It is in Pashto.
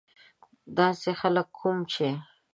داسې خلک کوم چې.